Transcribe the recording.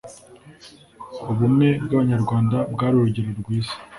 ubumwe bw'Abanyarwanda bwari urugero rwiza